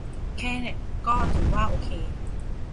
แค่ก็ถือว่าโอเค